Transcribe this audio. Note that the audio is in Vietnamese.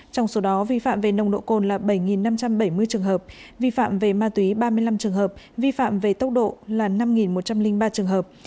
trong số đó vi phạm về nồng độ cồn là bảy năm trăm bảy mươi trường hợp vi phạm về ma túy ba mươi năm trường hợp vi phạm về tốc độ là năm một trăm linh ba trường hợp